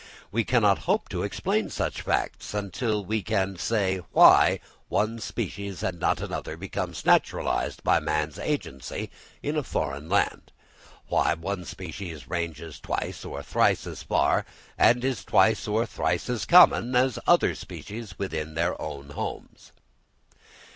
We cannot hope to explain such facts, until we can say why one species and not another becomes naturalised by man's agency in a foreign land; why one species ranges twice or thrice as far, and is twice or thrice as common, as another species within their own homes.